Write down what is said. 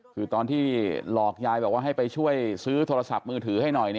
คือตอนที่หลอกยายบอกว่าให้ไปช่วยซื้อโทรศัพท์มือถือให้หน่อย